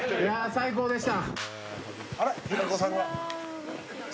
最高でした。